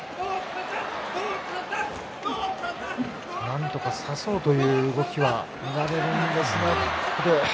なんとか差そうという動きは見られたんですけれど。